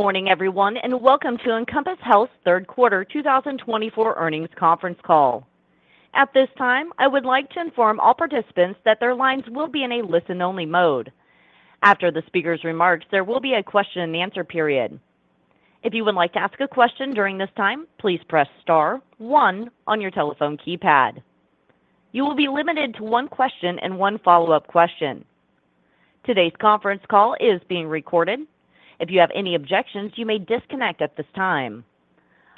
Good morning, everyone, and welcome to Encompass Health's third quarter 2024 earnings conference call. At this time, I would like to inform all participants that their lines will be in a listen-only mode. After the speaker's remarks, there will be a question-and-answer period. If you would like to ask a question during this time, please press star one on your telephone keypad. You will be limited to one question and one follow-up question. Today's conference call is being recorded. If you have any objections, you may disconnect at this time.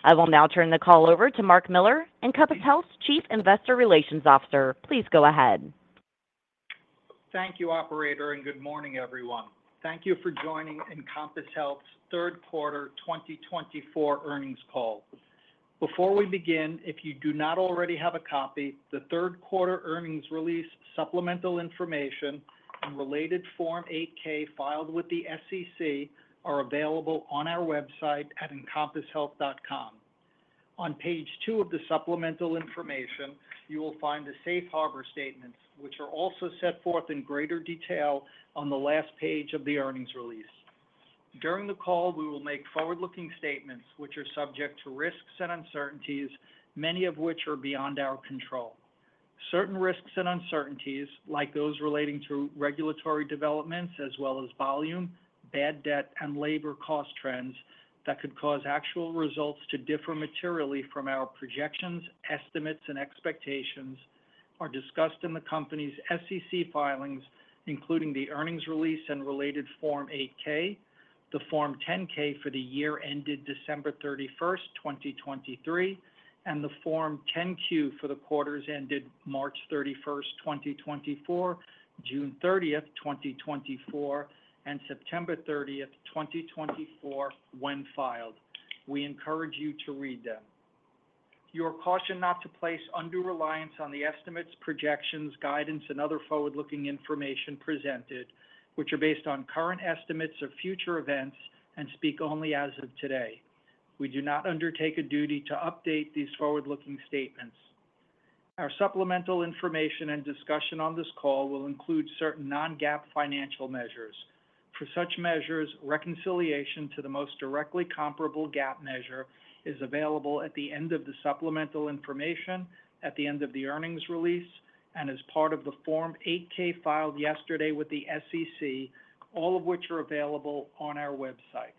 I will now turn the call over to Mark Miller, Encompass Health's Chief Investor Relations Officer. Please go ahead. Thank you, Operator, and good morning, everyone. Thank you for joining Encompass Health's third quarter 2024 earnings call. Before we begin, if you do not already have a copy, the third quarter earnings release supplemental information and related Form 8-K filed with the SEC are available on our website at encompasshealth.com. On page two of the supplemental information, you will find the safe harbor statements, which are also set forth in greater detail on the last page of the earnings release. During the call, we will make forward-looking statements, which are subject to risks and uncertainties, many of which are beyond our control. Certain risks and uncertainties, like those relating to regulatory developments as well as volume, bad debt, and labor cost trends that could cause actual results to differ materially from our projections, estimates, and expectations, are discussed in the company's SEC filings, including the earnings release and related Form 8-K, the Form 10-K for the year ended December 31st, 2023, and the Form 10-Q for the quarters ended March 31st, 2024, June 30th, 2024, and September 30th, 2024, when filed. We encourage you to read them. You are cautioned not to place undue reliance on the estimates, projections, guidance, and other forward-looking information presented, which are based on current estimates of future events and speak only as of today. We do not undertake a duty to update these forward-looking statements. Our supplemental information and discussion on this call will include certain Non-GAAP financial measures. For such measures, reconciliation to the most directly comparable GAAP measure is available at the end of the supplemental information, at the end of the earnings release, and as part of the Form 8-K filed yesterday with the SEC, all of which are available on our website.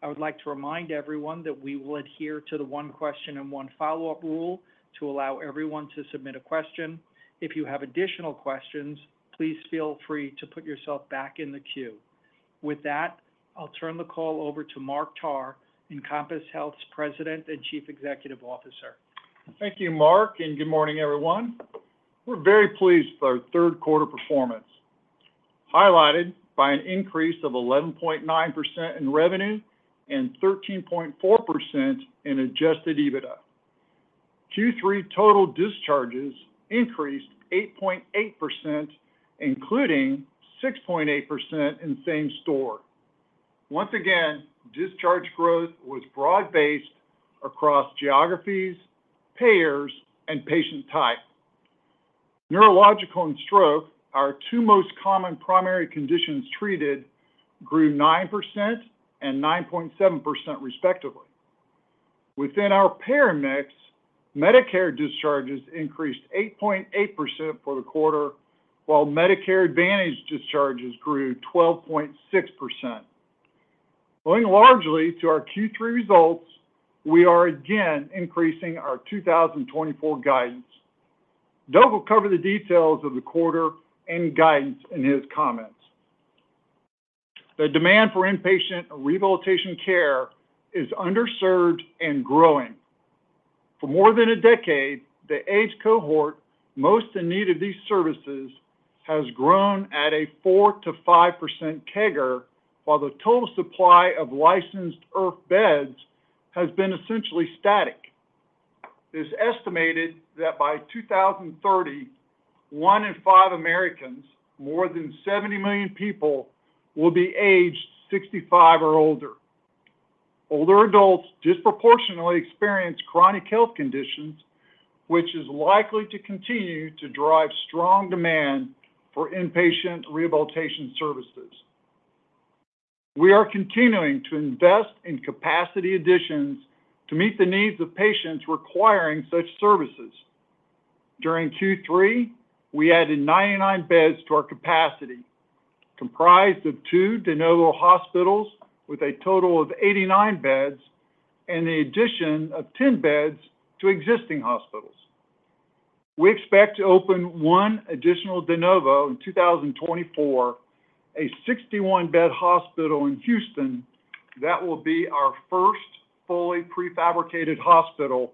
I would like to remind everyone that we will adhere to the one question and one follow-up rule to allow everyone to submit a question. If you have additional questions, please feel free to put yourself back in the queue. With that, I'll turn the call over to Mark Tarr, Encompass Health's President and Chief Executive Officer. Thank you, Mark, and good morning, everyone. We're very pleased with our third quarter performance, highlighted by an increase of 11.9% in revenue and 13.4% in Adjusted EBITDA. Q3 total discharges increased 8.8%, including 6.8% in same store. Once again, discharge growth was broad-based across geographies, payers, and patient type. Neurological and stroke, our two most common primary conditions treated, grew 9% and 9.7%, respectively. Within our payer mix, Medicare discharges increased 8.8% for the quarter, while Medicare Advantage discharges grew 12.6%. Owing largely to our Q3 results, we are again increasing our 2024 guidance. Doug will cover the details of the quarter and guidance in his comments. The demand for inpatient rehabilitation care is underserved and growing. For more than a decade, the age cohort most in need of these services has grown at a 4%-5% CAGR, while the total supply of licensed IRF beds has been essentially static. It is estimated that by 2030, one in five Americans, more than 70 million people, will be aged 65 or older. Older adults disproportionately experience chronic health conditions, which is likely to continue to drive strong demand for inpatient rehabilitation services. We are continuing to invest in capacity additions to meet the needs of patients requiring such services. During Q3, we added 99 beds to our capacity, comprised of two de novo hospitals with a total of 89 beds and the addition of 10 beds to existing hospitals. We expect to open one additional de novo in 2024, a 61-bed hospital in Houston that will be our first fully prefabricated hospital,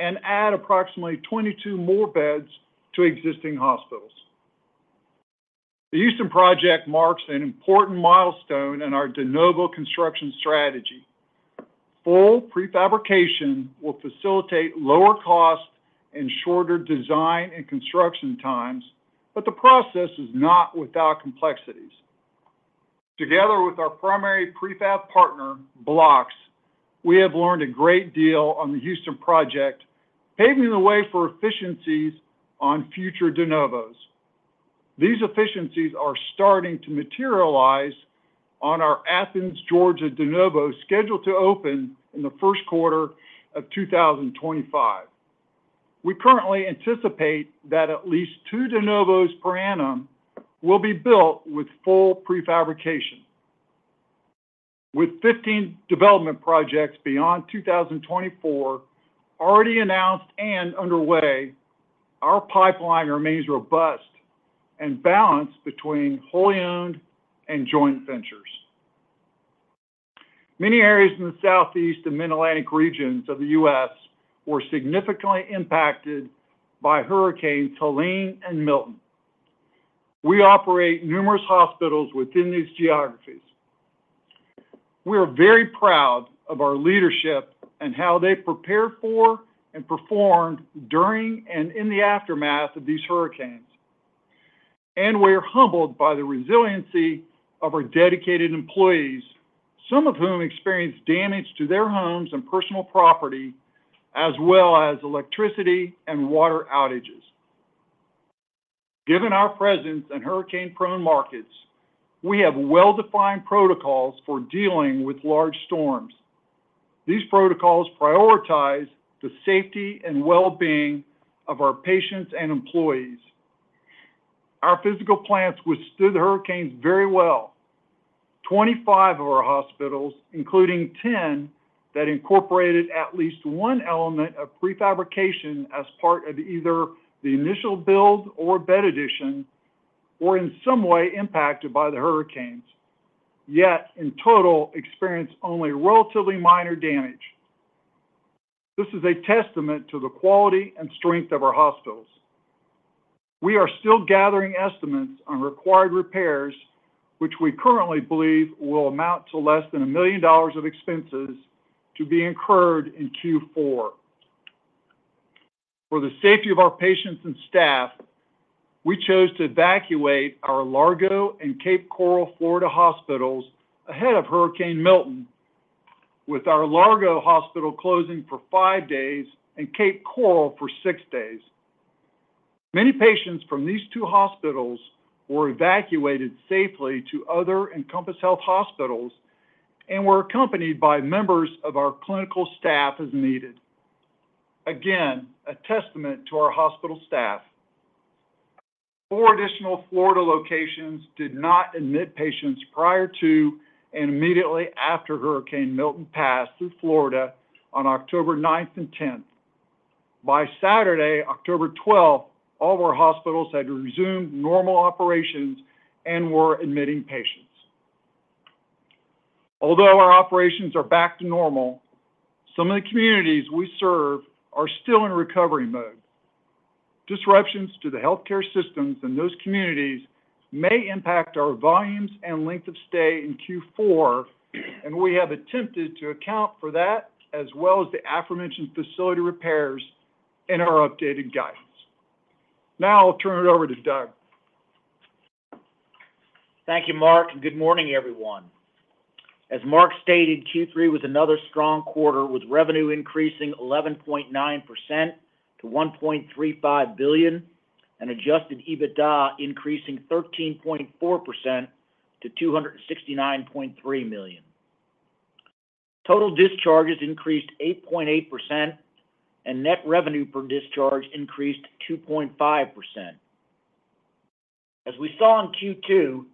and add approximately 22 more beds to existing hospitals. The Houston project marks an important milestone in our de novo construction strategy. Full prefabrication will facilitate lower costs and shorter design and construction times, but the process is not without complexities. Together with our primary prefab partner, BLOX, we have learned a great deal on the Houston project, paving the way for efficiencies on future de novos. These efficiencies are starting to materialize on our Athens, Georgia de novo scheduled to open in the first quarter of 2025. We currently anticipate that at least two de novos per annum will be built with full prefabrication. With 15 development projects beyond 2024 already announced and underway, our pipeline remains robust and balanced between wholly owned and joint ventures. Many areas in the Southeast and Mid-Atlantic regions of the U.S. were significantly impacted by Hurricanes Helene and Milton. We operate numerous hospitals within these geographies. We are very proud of our leadership and how they prepared for and performed during and in the aftermath of these hurricanes. We are humbled by the resiliency of our dedicated employees, some of whom experienced damage to their homes and personal property, as well as electricity and water outages. Given our presence in hurricane-prone markets, we have well-defined protocols for dealing with large storms. These protocols prioritize the safety and well-being of our patients and employees. Our physical plants withstood the hurricanes very well. Twenty-five of our hospitals, including ten that incorporated at least one element of prefabrication as part of either the initial build or bed addition, were in some way impacted by the hurricanes, yet in total experienced only relatively minor damage. This is a testament to the quality and strength of our hospitals. We are still gathering estimates on required repairs, which we currently believe will amount to less than $1 million of expenses to be incurred in Q4. For the safety of our patients and staff, we chose to evacuate our Largo and Cape Coral, Florida hospitals ahead of Hurricane Milton, with our Largo Hospital closing for five days and Cape Coral for six days. Many patients from these two hospitals were evacuated safely to other Encompass Health hospitals and were accompanied by members of our clinical staff as needed. Again, a testament to our hospital staff. Four additional Florida locations did not admit patients prior to and immediately after Hurricane Milton passed through Florida on October 9th and 10th. By Saturday, October 12th, all of our hospitals had resumed normal operations and were admitting patients. Although our operations are back to normal, some of the communities we serve are still in recovery mode. Disruptions to the healthcare systems in those communities may impact our volumes and length of stay in Q4, and we have attempted to account for that as well as the aforementioned facility repairs in our updated guidance. Now I'll turn it over to Doug. Thank you, Mark, and good morning, everyone. As Mark stated, Q3 was another strong quarter, with revenue increasing 11.9% to $1.35 billion and Adjusted EBITDA increasing 13.4% to $269.3 million. Total discharges increased 8.8%, and net revenue per discharge increased 2.5%. As we saw in Q2,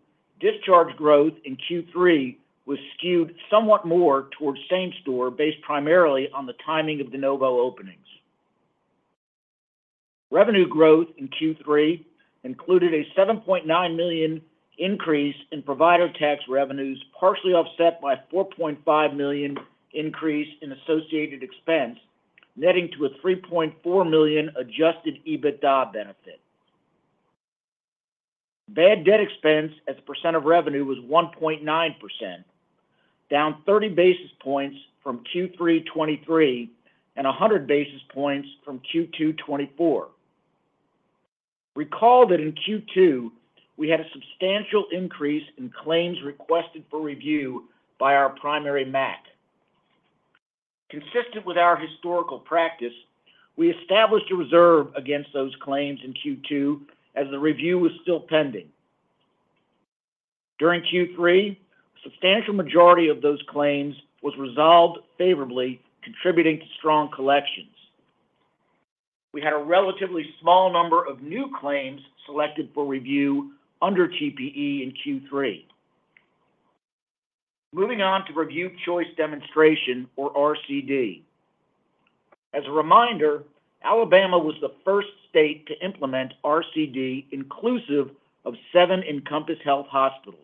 discharge growth in Q3 was skewed somewhat more toward same store based primarily on the timing of de novo openings. Revenue growth in Q3 included a $7.9 million increase in provider tax revenues, partially offset by a $4.5 million increase in associated expense, netting to a $3.4 million Adjusted EBITDA benefit. Bad debt expense as a percent of revenue was 1.9%, down 30 basis points from Q3 2023 and 100 basis points from Q2 2024. Recall that in Q2, we had a substantial increase in claims requested for review by our primary MAC. Consistent with our historical practice, we established a reserve against those claims in Q2 as the review was still pending. During Q3, a substantial majority of those claims was resolved favorably, contributing to strong collections. We had a relatively small number of new claims selected for review under TPE in Q3. Moving on to Review Choice Demonstration, or RCD. As a reminder, Alabama was the first state to implement RCD inclusive of seven Encompass Health hospitals.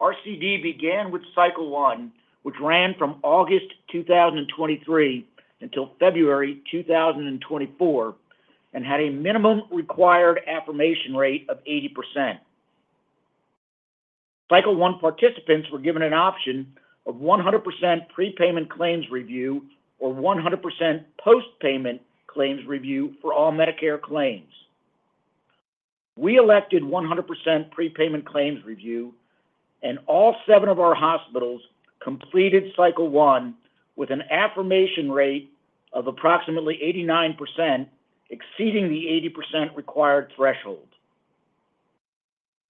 RCD began with cycle one, which ran from August 2023 until February 2024, and had a minimum required affirmation rate of 80%. Cycle one participants were given an option of 100% prepayment claims review or 100% postpayment claims review for all Medicare claims. We elected 100% prepayment claims review, and all seven of our hospitals completed cycle one with an affirmation rate of approximately 89%, exceeding the 80% required threshold.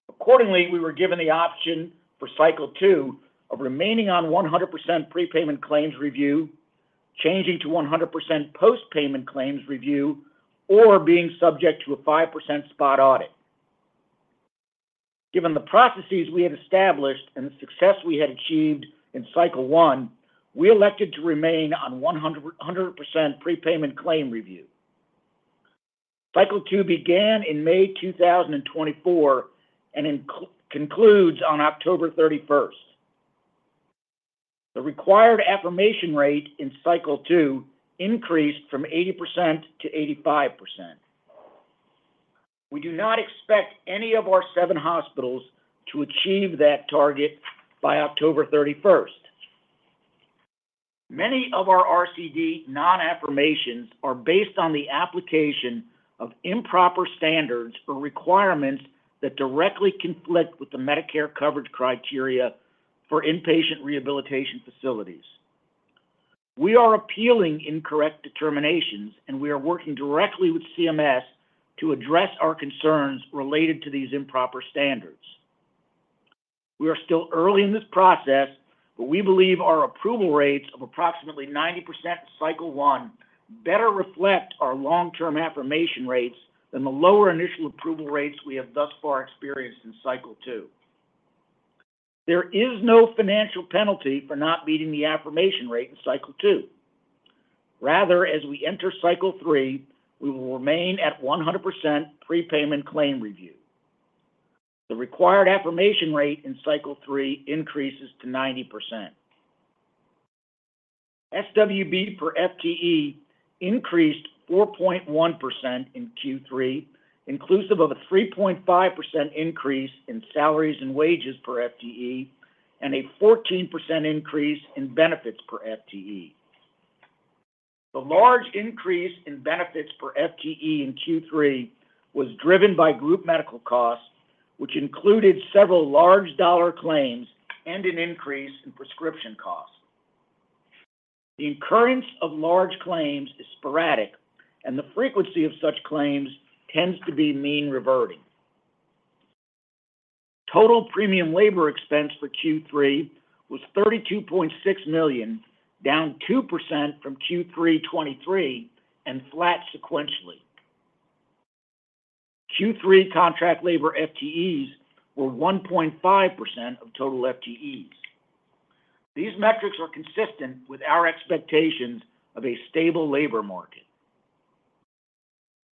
Accordingly, we were given the option for cycle two of remaining on 100% prepayment claims review, changing to 100% postpayment claims review, or being subject to a 5% spot audit. Given the processes we had established and the success we had achieved in cycle one, we elected to remain on 100% prepayment claims review. Cycle two began in May 2024 and concludes on October 31st. The required affirmation rate in cycle two increased from 80% to 85%. We do not expect any of our seven hospitals to achieve that target by October 31st. Many of our RCD non-affirmations are based on the application of improper standards or requirements that directly conflict with the Medicare coverage criteria for inpatient rehabilitation facilities. We are appealing incorrect determinations, and we are working directly with CMS to address our concerns related to these improper standards. We are still early in this process, but we believe our approval rates of approximately 90% in cycle one better reflect our long-term affirmation rates than the lower initial approval rates we have thus far experienced in cycle two. There is no financial penalty for not meeting the affirmation rate in cycle two. Rather, as we enter cycle three, we will remain at 100% prepayment claim review. The required affirmation rate in cycle three increases to 90%. SWB per FTE increased 4.1% in Q3, inclusive of a 3.5% increase in salaries and wages per FTE and a 14% increase in benefits per FTE. The large increase in benefits per FTE in Q3 was driven by group medical costs, which included several large-dollar claims and an increase in prescription costs. The incurrence of large claims is sporadic, and the frequency of such claims tends to be mean-reverting. Total premium labor expense for Q3 was $32.6 million, down 2% from Q3 2023 and flat sequentially. Q3 contract labor FTEs were 1.5% of total FTEs. These metrics are consistent with our expectations of a stable labor market.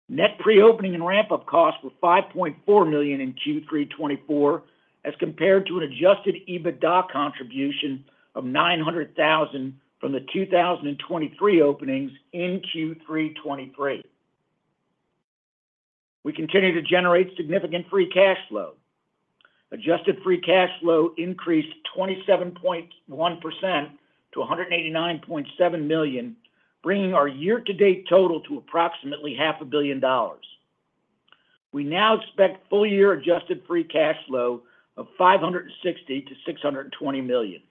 Net pre-opening and ramp-up costs were $5.4 million in Q3 2024, as compared to an Adjusted EBITDA contribution of $900,000 from the 2023 openings in Q3 2023. We continue to generate significant free cash flow. Adjusted free cash flow increased 27.1% to $189.7 million, bringing our year-to-date total to approximately $500 million. We now expect full-year adjusted free cash flow of $560 million to $620 million.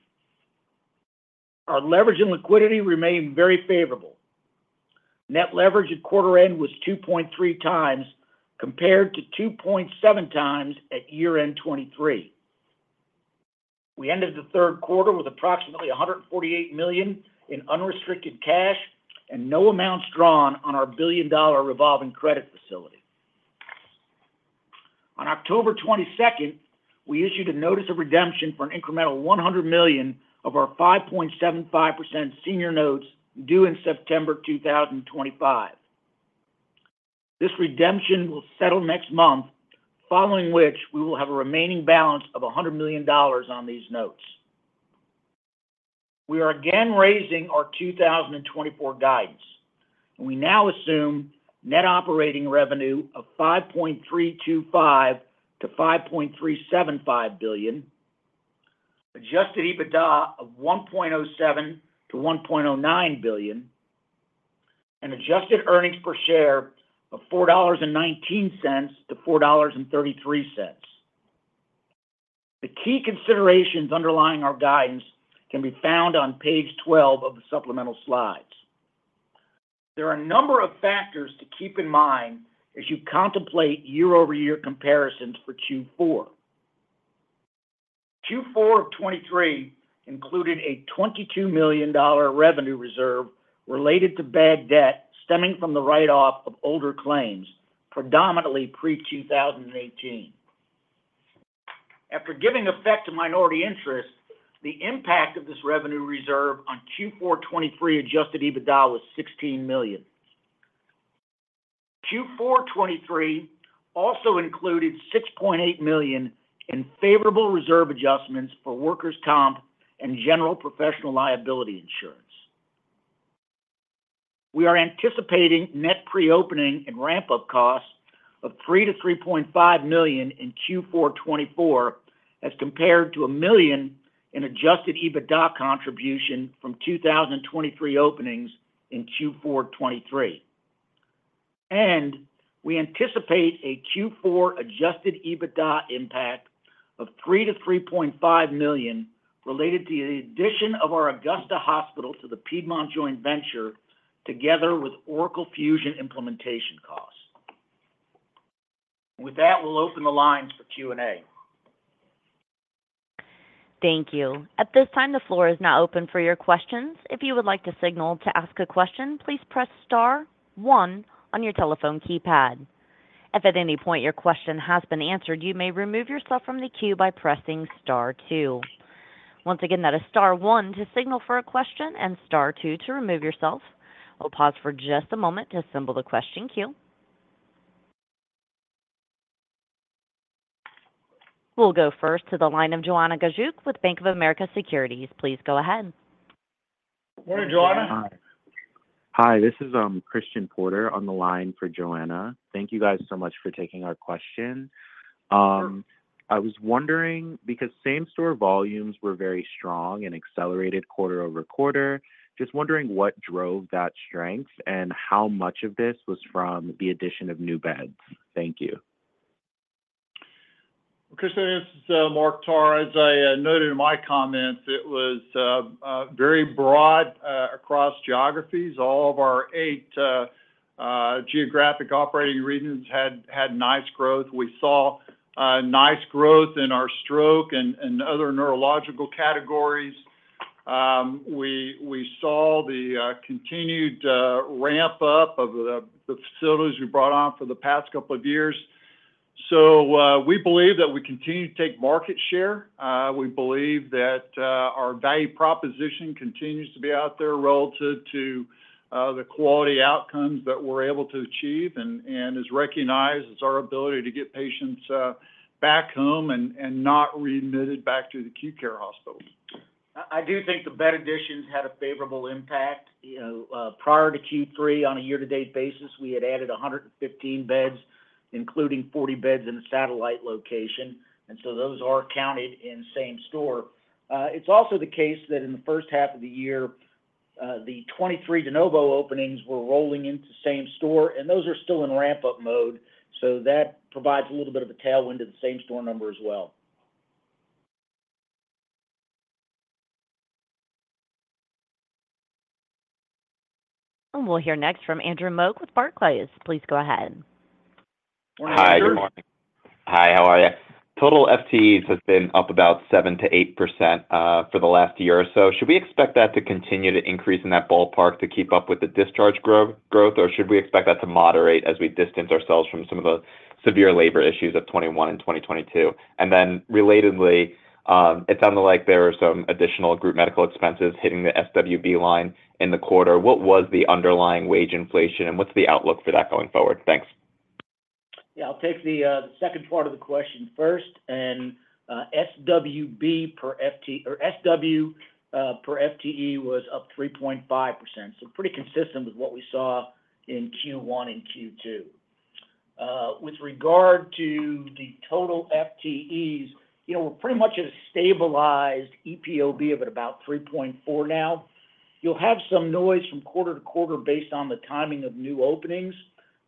Our leverage and liquidity remain very favorable. Net leverage at quarter-end was 2.3 times compared to 2.7 times at year-end 2023. We ended the third quarter with approximately $148 million in unrestricted cash and no amounts drawn on our $1 billion-dollar revolving credit facility. On October 22nd, we issued a notice of redemption for an incremental $100 million of our 5.75% senior notes due in September 2025. This redemption will settle next month, following which we will have a remaining balance of $100 million on these notes. We are again raising our 2024 guidance, and we now assume net operating revenue of $5.325-$5.375 billion, Adjusted EBITDA of $1.07-$1.09 billion, and adjusted earnings per share of $4.19-$4.33. The key considerations underlying our guidance can be found on page 12 of the supplemental slides. There are a number of factors to keep in mind as you contemplate year-over-year comparisons for Q4. Q4 of 2023 included a $22 million revenue reserve related to bad debt stemming from the write-off of older claims, predominantly pre-2018. After giving effect to minority interest, the impact of this revenue reserve on Q4 2023 Adjusted EBITDA was $16 million. Q4 2023 also included $6.8 million in favorable reserve adjustments for workers' comp and general professional liability insurance. We are anticipating net pre-opening and ramp-up costs of $3-$3.5 million in Q4 2024 as compared to $1 million in Adjusted EBITDA contribution from 2023 openings in Q4 2023. And we anticipate a Q4 Adjusted EBITDA impact of $3 million-$3.5 million related to the addition of our Augusta Hospital to the Piedmont Joint Venture, together with Oracle Fusion implementation costs. With that, we'll open the lines for Q&A. Thank you. At this time, the floor is now open for your questions. If you would like to signal to ask a question, please press star one on your telephone keypad. If at any point your question has been answered, you may remove yourself from the queue by pressing star two. Once again, that is star one to signal for a question and star two to remove yourself. We'll pause for just a moment to assemble the question queue. We'll go first to the line of Joanna Gajuk with Bank of America Securities. Please go ahead. Morning, Joanna. Hi. Hi. This is Christian Porter on the line for Joanna. Thank you guys so much for taking our question. I was wondering, because same store volumes were very strong and accelerated quarter-over-quarter, just wondering what drove that strength and how much of this was from the addition of new beds. Thank you. Christian, this is Mark Tarr, as I noted in my comments. It was very broad across geographies. All of our eight geographic operating regions had nice growth. We saw nice growth in our stroke and other neurological categories. We saw the continued ramp-up of the facilities we brought on for the past couple of years. So we believe that we continue to take market share. We believe that our value proposition continues to be out there relative to the quality outcomes that we're able to achieve and is recognized as our ability to get patients back home and not readmitted back to the acute care hospital. I do think the bed additions had a favorable impact. Prior to Q3, on a year-to-date basis, we had added 115 beds, including 40 beds in a satellite location, and so those are counted in same store. It's also the case that in the first half of the year, the 23 de novo openings were rolling into same store, and those are still in ramp-up mode, so that provides a little bit of a tailwind to the same store number as well. We'll hear next from Andrew Mok with Barclays. Please go ahead. Hi, good morning. Hi, how are you? Total FTEs have been up about 7%-8% for the last year or so. Should we expect that to continue to increase in that ballpark to keep up with the discharge growth, or should we expect that to moderate as we distance ourselves from some of the severe labor issues of 2021 and 2022? And then relatedly, it sounded like there were some additional group medical expenses hitting the SWB line in the quarter. What was the underlying wage inflation, and what's the outlook for that going forward? Thanks. Yeah, I'll take the second part of the question first. And SWB per FTE was up 3.5%. So pretty consistent with what we saw in Q1 and Q2. With regard to the total FTEs, we're pretty much at a stabilized EPOB of about 3.4 now. You'll have some noise from quarter to quarter based on the timing of new openings,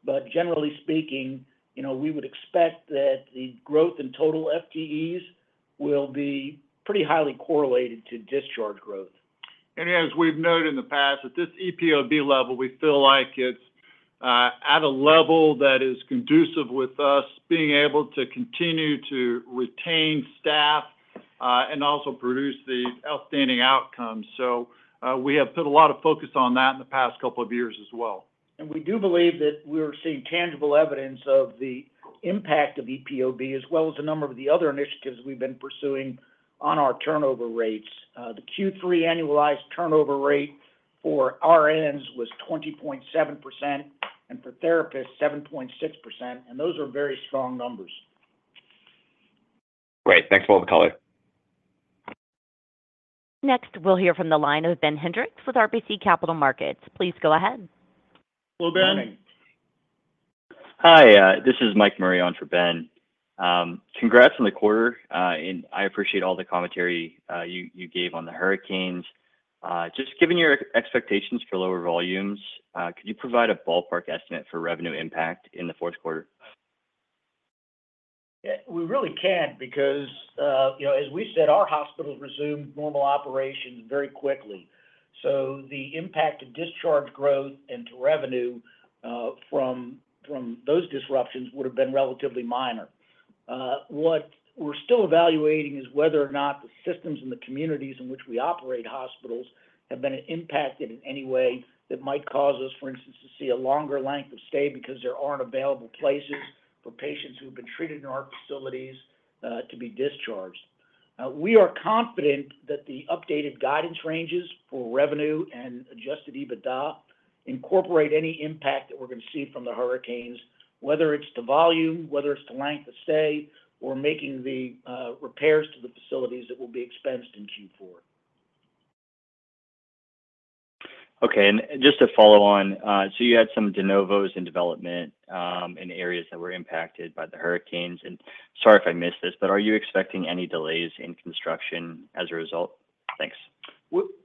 but generally speaking, we would expect that the growth in total FTEs will be pretty highly correlated to discharge growth. As we've noted in the past, at this EPOB level, we feel like it's at a level that is conducive with us being able to continue to retain staff and also produce the outstanding outcomes. We have put a lot of focus on that in the past couple of years as well. We do believe that we're seeing tangible evidence of the impact of EPOB, as well as a number of the other initiatives we've been pursuing on our turnover rates. The Q3 annualized turnover rate for RNs was 20.7%, and for therapists, 7.6%. Those are very strong numbers. Great. Thanks for all the color. Next, we'll hear from the line of Ben Hendrix with RBC Capital Markets. Please go ahead. Hello, Ben. Hi. This is Mike Murray on for Ben. Congrats on the quarter, and I appreciate all the commentary you gave on the hurricanes. Just given your expectations for lower volumes, could you provide a ballpark estimate for revenue impact in the fourth quarter? We really can't because, as we said, our hospitals resumed normal operations very quickly. So the impact to discharge growth and to revenue from those disruptions would have been relatively minor. What we're still evaluating is whether or not the systems in the communities in which we operate hospitals have been impacted in any way that might cause us, for instance, to see a longer length of stay because there aren't available places for patients who have been treated in our facilities to be discharged. We are confident that the updated guidance ranges for revenue and Adjusted EBITDA incorporate any impact that we're going to see from the hurricanes, whether it's to volume, whether it's to length of stay, or making the repairs to the facilities that will be expensed in Q4. Okay. And just to follow on, so you had some de novos in development in areas that were impacted by the hurricanes. And sorry if I missed this, but are you expecting any delays in construction as a result? Thanks.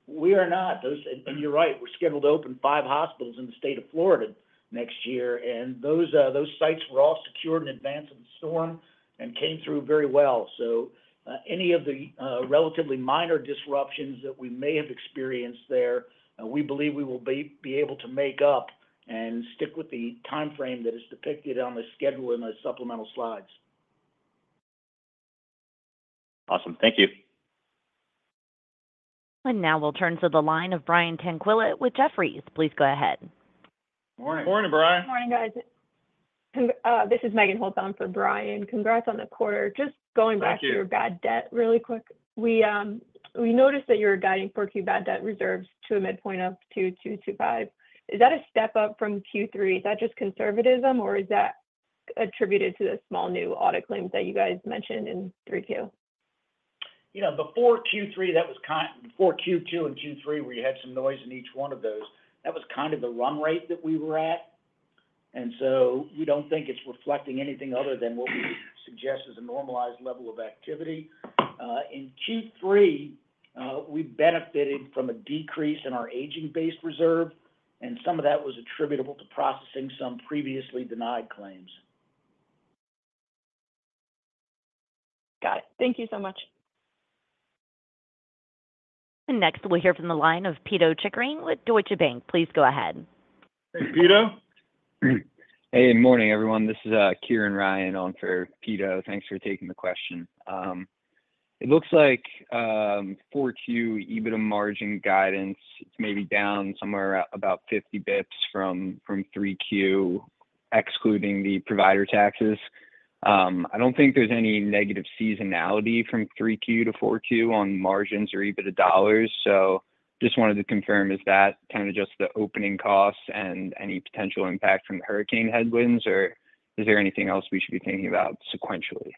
We are not. And you're right. We're scheduled to open five hospitals in the state of Florida next year. And those sites were all secured in advance of the storm and came through very well. So any of the relatively minor disruptions that we may have experienced there, we believe we will be able to make up and stick with the timeframe that is depicted on the schedule in the supplemental slides. Awesome. Thank you. And now we'll turn to the line of Brian Tanquilut with Jefferies. Please go ahead. Morning. Morning, Brian. Morning, guys. This is Megan Holtz for Brian. Congrats on the quarter. Just going back to your bad debt really quick, we noticed that you're guiding for Q bad debt reserves to a midpoint of $22.25. Is that a step up from Q3? Is that just conservatism, or is that attributed to the small new audit claims that you guys mentioned in 3Q? You know, before Q3, that was kind of before Q2 and Q3, where you had some noise in each one of those, that was kind of the run rate that we were at, and so we don't think it's reflecting anything other than what we suggest is a normalized level of activity. In Q3, we benefited from a decrease in our aging-based reserve, and some of that was attributable to processing some previously denied claims. Got it. Thank you so much. Next, we'll hear from the line of Pito Chickering with Deutsche Bank. Please go ahead. Hey, Pito. Hey, good morning, everyone. This is Kieran Ryan on for Pito. Thanks for taking the question. It looks like 4Q EBITDA margin guidance is maybe down somewhere about 50 basis points from 3Q, excluding the provider taxes. I don't think there's any negative seasonality from 3Q to 4Q on margins or EBITDA dollars. So just wanted to confirm, is that kind of just the opening costs and any potential impact from the hurricane headwinds, or is there anything else we should be thinking about sequentially?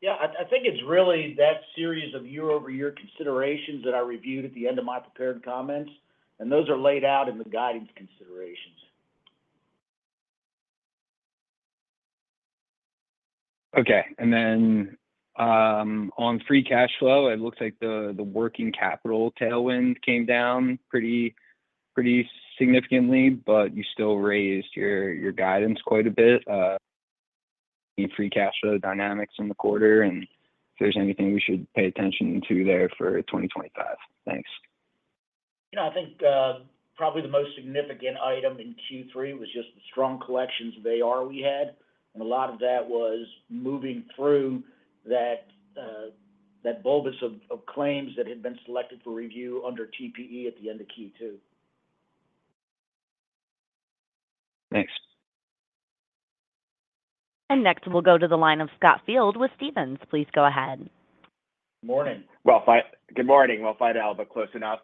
Yeah, I think it's really that series of year-over-year considerations that I reviewed at the end of my prepared comments, and those are laid out in the guidance considerations. Okay. And then on free cash flow, it looks like the working capital tailwind came down pretty significantly, but you still raised your guidance quite a bit in free cash flow dynamics in the quarter. And if there's anything we should pay attention to there for 2025? Thanks. You know, I think probably the most significant item in Q3 was just the strong collections of AR we had, and a lot of that was moving through that bulge of claims that had been selected for review under TPE at the end of Q2. Thanks. And next, we'll go to the line of Scott Fidel with Stephens. Please go ahead. Morning. Good morning. I'll find out, but close enough.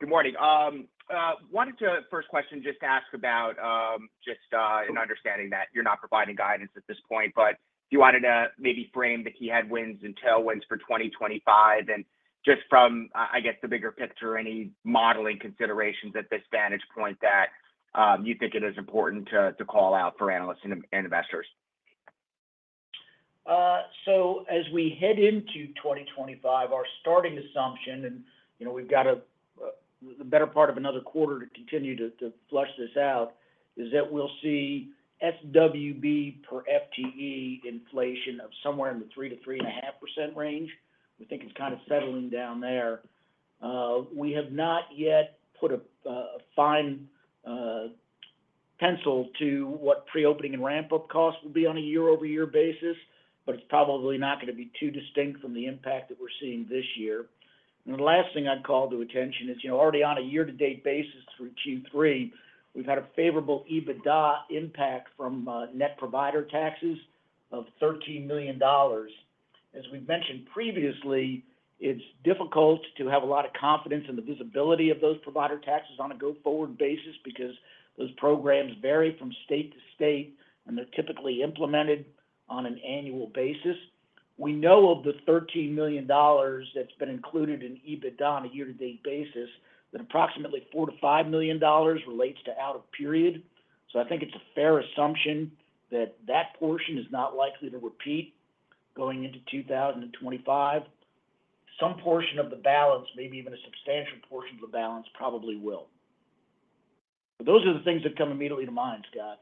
Good morning. Wanted to, first question, just ask about just an understanding that you're not providing guidance at this point, but you wanted to maybe frame the key headwinds and tailwinds for 2025. And just from, I guess, the bigger picture, any modeling considerations at this vantage point that you think it is important to call out for analysts and investors? As we head into 2025, our starting assumption, and we've got a better part of another quarter to continue to flush this out, is that we'll see SWB per FTE inflation of somewhere in the 3%-3.5% range. We think it's kind of settling down there. We have not yet put a fine pencil to what pre-opening and ramp-up costs will be on a year-over-year basis, but it's probably not going to be too distinct from the impact that we're seeing this year. The last thing I'd call to attention is, already on a year-to-date basis for Q3, we've had a favorable EBITDA impact from net provider taxes of $13 million. As we've mentioned previously, it's difficult to have a lot of confidence in the visibility of those provider taxes on a go-forward basis because those programs vary from state to state, and they're typically implemented on an annual basis. We know of the $13 million that's been included in EBITDA on a year-to-date basis. That approximately $4 million-$5 million relates to out-of-period. So I think it's a fair assumption that that portion is not likely to repeat going into 2025. Some portion of the balance, maybe even a substantial portion of the balance, probably will. Those are the things that come immediately to mind, Scott.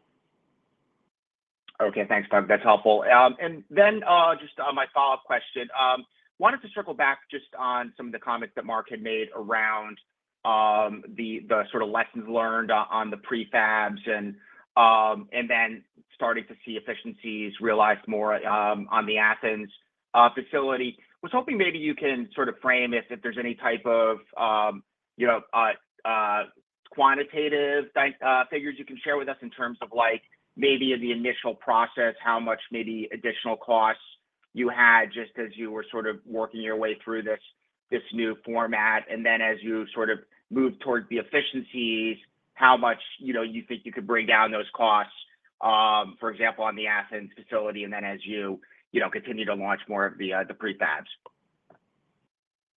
Okay. Thanks, Mark. That's helpful. And then just my follow-up question, wanted to circle back just on some of the comments that Mark had made around the sort of lessons learned on the prefabs and then starting to see efficiencies realized more on the Athens facility. Was hoping maybe you can sort of frame if there's any type of quantitative figures you can share with us in terms of maybe in the initial process, how much maybe additional costs you had just as you were sort of working your way through this new format. And then as you sort of move towards the efficiencies, how much you think you could bring down those costs, for example, on the Athens facility, and then as you continue to launch more of the prefabs?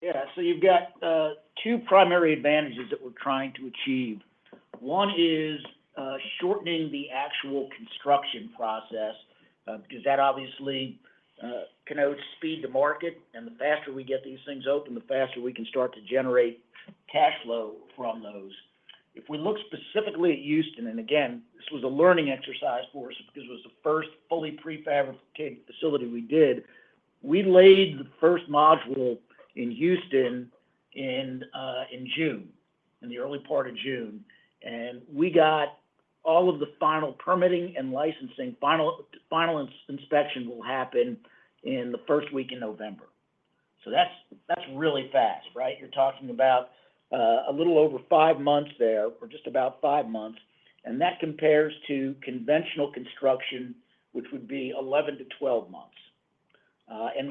Yeah. So you've got two primary advantages that we're trying to achieve. One is shortening the actual construction process because that obviously connotes speed to market. And the faster we get these things open, the faster we can start to generate cash flow from those. If we look specifically at Houston, and again, this was a learning exercise for us because it was the first fully prefabricated facility we did, we laid the first module in Houston in June, in the early part of June. And we got all of the final permitting and licensing. Final inspection will happen in the first week in November. So that's really fast, right? You're talking about a little over five months there or just about five months. And that compares to conventional construction, which would be 11-12 months.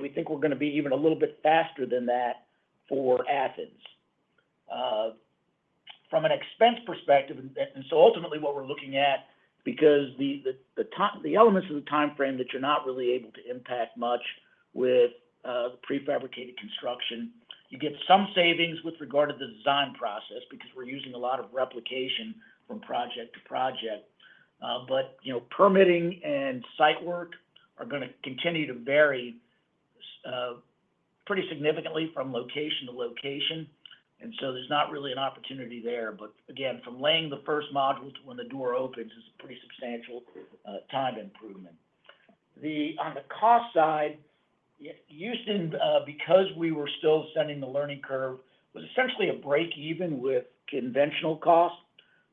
We think we're going to be even a little bit faster than that for Athens. From an expense perspective, and so ultimately what we're looking at, because the elements of the timeframe that you're not really able to impact much with prefabricated construction, you get some savings with regard to the design process because we're using a lot of replication from project to project. Permitting and site work are going to continue to vary pretty significantly from location to location. So there's not really an opportunity there. Again, from laying the first module to when the door opens, it's a pretty substantial time improvement. On the cost side, Houston, because we were still on the learning curve, was essentially a break even with conventional costs.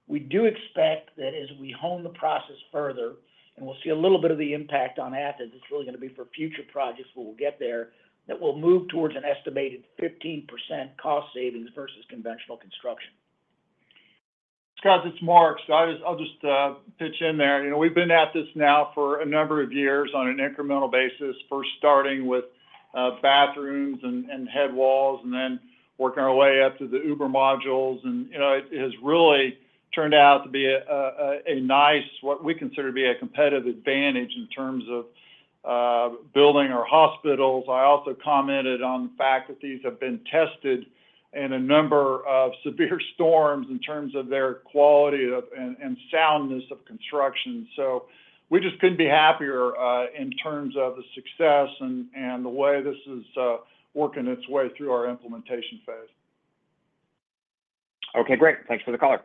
We do expect that as we hone the process further, and we'll see a little bit of the impact on Athens, it's really going to be for future projects where we'll get there, that we'll move towards an estimated 15% cost savings versus conventional construction. Scott asked Mark, so I'll just pitch in there. We've been at this now for a number of years on an incremental basis, first starting with bathrooms and head walls and then working our way up to our modules, and it has really turned out to be a nice, what we consider to be a competitive advantage in terms of building our hospitals. I also commented on the fact that these have been tested in a number of severe storms in terms of their quality and soundness of construction, so we just couldn't be happier in terms of the success and the way this is working its way through our implementation phase. Okay. Great. Thanks for the caller.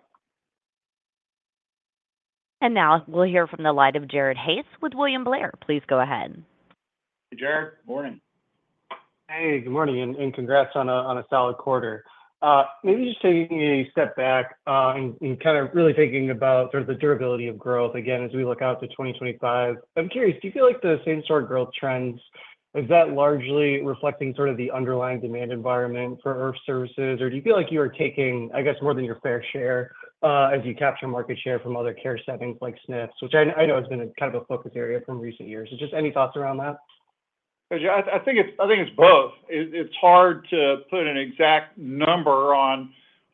Now we'll hear from the line of Jared Haase with William Blair. Please go ahead. Hey, Jared. Morning. Hey, good morning, and congrats on a solid quarter. Maybe just taking a step back and kind of really thinking about sort of the durability of growth again as we look out to 2025. I'm curious, do you feel like the same sort of growth trends, is that largely reflecting sort of the underlying demand environment for IRF services, or do you feel like you are taking, I guess, more than your fair share as you capture market share from other care settings like SNFs, which I know has been kind of a focus area from recent years? Just any thoughts around that? I think it's both. It's hard to put an exact number on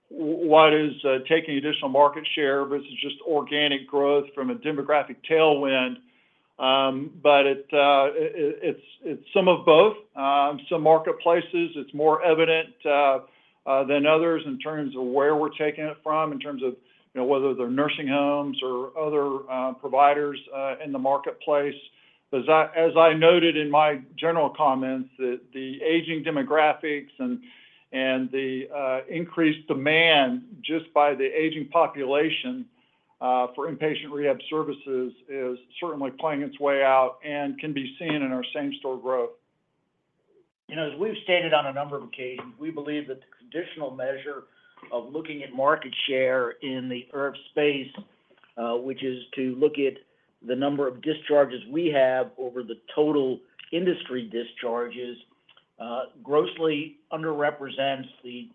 what is taking additional market share versus just organic growth from a demographic tailwind. But it's some of both. Some marketplaces, it's more evident than others in terms of where we're taking it from, in terms of whether they're nursing homes or other providers in the marketplace. As I noted in my general comments, the aging demographics and the increased demand just by the aging population for inpatient rehab services is certainly playing its way out and can be seen in our same-store growth. As we've stated on a number of occasions, we believe that the conditional measure of looking at market share in the IRF space, which is to look at the number of discharges we have over the total industry discharges, grossly underrepresents the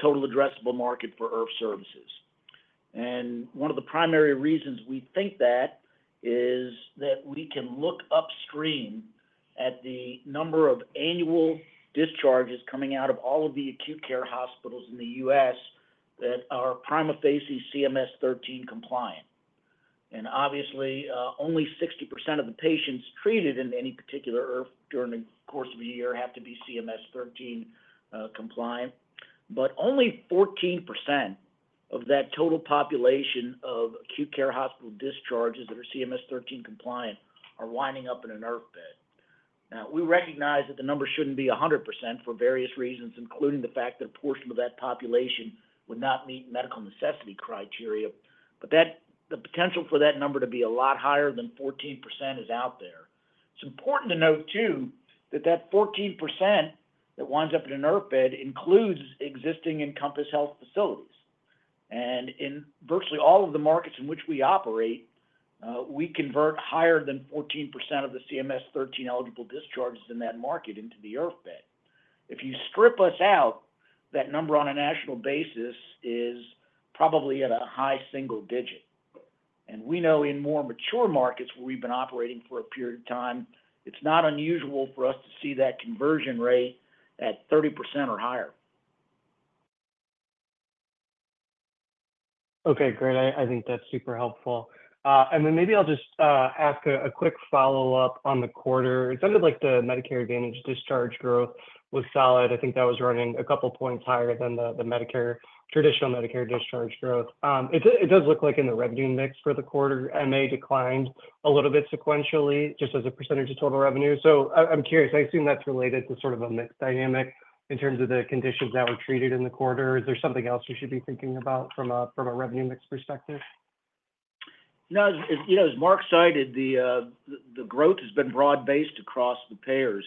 total addressable market for IRF Services. One of the primary reasons we think that is that we can look upstream at the number of annual discharges coming out of all of the acute care hospitals in the U.S. that are prima facie CMS 13 compliant. Obviously, only 60% of the patients treated in any particular IRF during the course of a year have to be CMS 13 compliant. Only 14% of that total population of acute care hospital discharges that are CMS 13 compliant are winding up in an IRF bed. Now, we recognize that the number shouldn't be 100% for various reasons, including the fact that a portion of that population would not meet medical necessity criteria, but the potential for that number to be a lot higher than 14% is out there. It's important to note too that that 14% that winds up in an IRF bed includes existing Encompass Health facilities, and in virtually all of the markets in which we operate, we convert higher than 14% of the CMS 13 eligible discharges in that market into the IRF bed. If you strip us out, that number on a national basis is probably at a high single digit, and we know in more mature markets where we've been operating for a period of time, it's not unusual for us to see that conversion rate at 30% or higher. Okay. Great. I think that's super helpful. And then maybe I'll just ask a quick follow-up on the quarter. It sounded like the Medicare Advantage discharge growth was solid. I think that was running a couple of points higher than the Medicare, traditional Medicare discharge growth. It does look like in the revenue mix for the quarter, MA declined a little bit sequentially just as a percentage of total revenue. So I'm curious. I assume that's related to sort of a mixed dynamic in terms of the conditions that were treated in the quarter. Is there something else you should be thinking about from a revenue mix perspective? No, as Mark cited, the growth has been broad-based across the payers.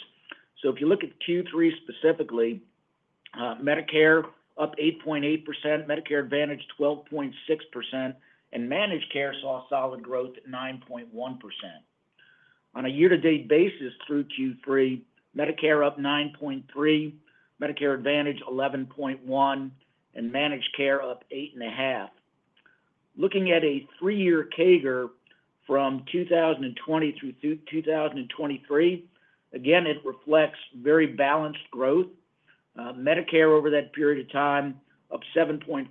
So if you look at Q3 specifically, Medicare up 8.8%, Medicare Advantage 12.6%, and managed care saw solid growth at 9.1%. On a year-to-date basis through Q3, Medicare up 9.3%, Medicare Advantage 11.1%, and managed care up 8.5%. Looking at a three-year CAGR from 2020 through 2023, again, it reflects very balanced growth. Medicare over that period of time up 7.4%,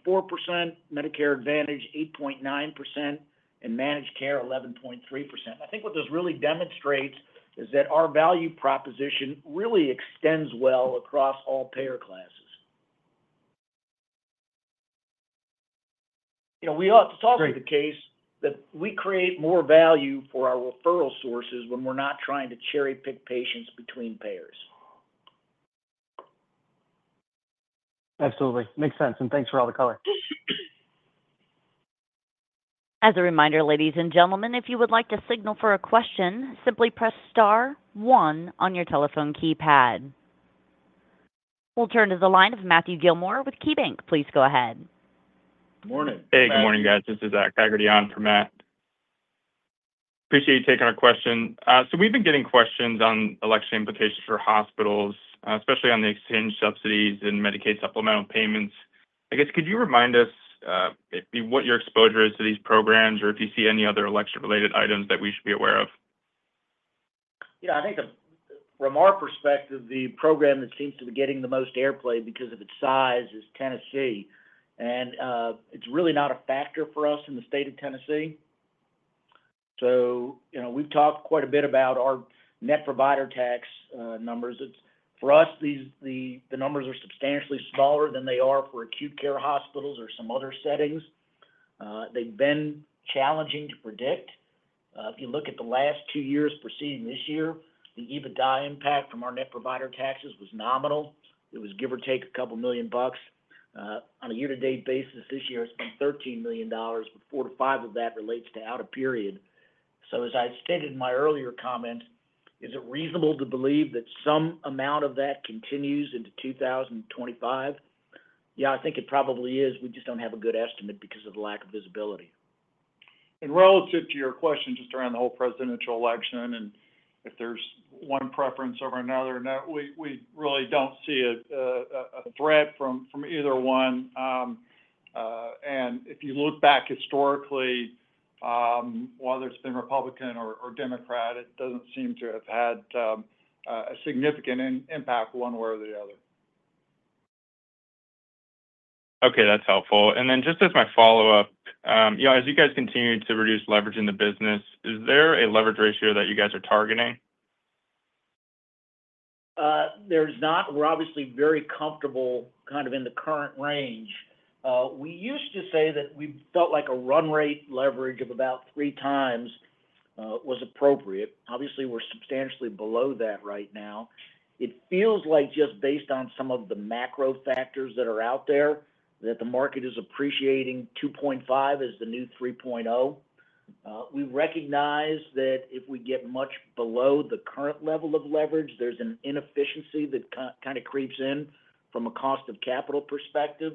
Medicare Advantage 8.9%, and managed care 11.3%. I think what this really demonstrates is that our value proposition really extends well across all payer classes. We ought to talk to the case that we create more value for our referral sources when we're not trying to cherry-pick patients between payers. Absolutely. Makes sense. And thanks for all the color. As a reminder, ladies and gentlemen, if you would like to signal for a question, simply press star one on your telephone keypad. We'll turn to the line of Matthew Gilmore with KeyBanc. Please go ahead. Good morning. Hey, good morning, guys. This is Haggerty on for Matt. Appreciate you taking our question. So we've been getting questions on election implications for hospitals, especially on the exchange subsidies and Medicaid supplemental payments. I guess, could you remind us maybe what your exposure is to these programs or if you see any other election-related items that we should be aware of? Yeah. I think from our perspective, the program that seems to be getting the most airplay because of its size is Tennessee. And it's really not a factor for us in the state of Tennessee. So we've talked quite a bit about our net provider tax numbers. For us, the numbers are substantially smaller than they are for acute care hospitals or some other settings. They've been challenging to predict. If you look at the last two years preceding this year, the EBITDA impact from our net provider taxes was nominal. It was give or take a couple million bucks. On a year-to-date basis, this year has been $13 million, but four to five of that relates to out-of-period. So as I stated in my earlier comment, is it reasonable to believe that some amount of that continues into 2025? Yeah, I think it probably is. We just don't have a good estimate because of the lack of visibility. Relative to your question just around the whole presidential election and if there's one preference over another, we really don't see a threat from either one. If you look back historically, whether it's been Republican or Democrat, it doesn't seem to have had a significant impact one way or the other. Okay. That's helpful. And then just as my follow-up, as you guys continue to reduce leverage in the business, is there a leverage ratio that you guys are targeting? There's not. We're obviously very comfortable kind of in the current range. We used to say that we felt like a run rate leverage of about three times was appropriate. Obviously, we're substantially below that right now. It feels like just based on some of the macro factors that are out there that the market is appreciating 2.5 as the new 3.0. We recognize that if we get much below the current level of leverage, there's an inefficiency that kind of creeps in from a cost of capital perspective.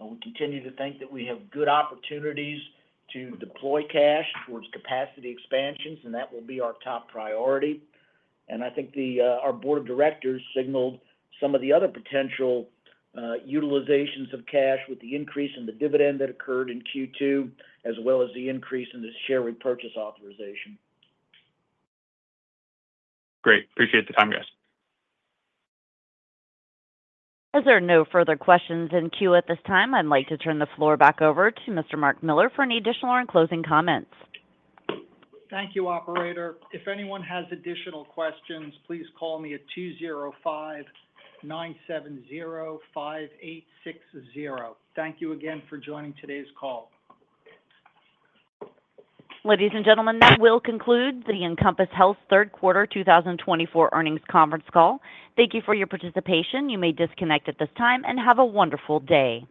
We continue to think that we have good opportunities to deploy cash towards capacity expansions, and that will be our top priority, and I think our board of directors signaled some of the other potential utilizations of cash with the increase in the dividend that occurred in Q2, as well as the increase in the share repurchase authorization. Great. Appreciate the time, guys. As there are no further questions in queue at this time, I'd like to turn the floor back over to Mr. Mark Miller for any additional or closing comments. Thank you, operator. If anyone has additional questions, please call me at 205-970-5860. Thank you again for joining today's call. Ladies and gentlemen, that will conclude the Encompass Health Third Quarter 2024 earnings conference call. Thank you for your participation. You may disconnect at this time and have a wonderful day.